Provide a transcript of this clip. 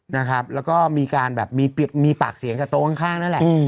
นะครับแล้วก็มีการแบบมีปากเสียงกับโต๊ะข้างนั่นแหละ